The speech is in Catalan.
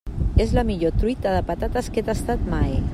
És la millor truita de patates que he tastat mai.